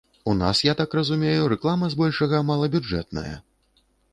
У нас, я так разумею, рэклама збольшага малабюджэтная?